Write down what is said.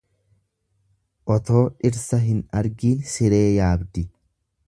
Otoo dhirsa hin argiin siree yaabdi.